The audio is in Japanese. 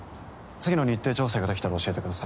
次の日程調整ができたら教えてください。